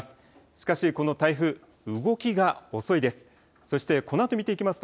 しかし、この台風、動きが遅いです。